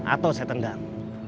atau saya tendang